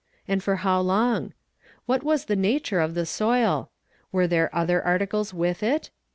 and for how long? what was the nature of the soil? were there other articles with it?